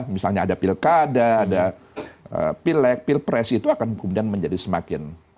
misalnya ada pilkada ada pil lek pil pres itu akan kemudian menjadi semakin